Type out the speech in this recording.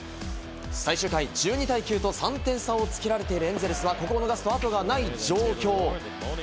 最終回１２対９と３点差をつけられているエンゼルスは、ここを逃すと、後がない状況。